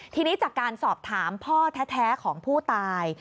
ทีนี้จากการสอบถามพ่อแท้ของผู้ตาย